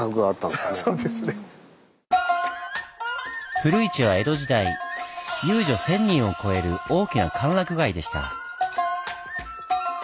古市は江戸時代遊女１０００人を超える大きな歓楽街でした。